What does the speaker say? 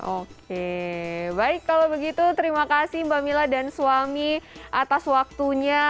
oke baik kalau begitu terima kasih mbak mila dan suami atas waktunya